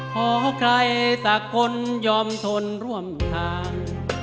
ขอใครสักคนยอมทนร่วมทาง